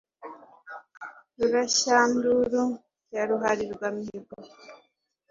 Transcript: Ruhashyanduru ya ruharirwa mihigo,